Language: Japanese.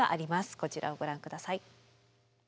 こちらをご覧ください。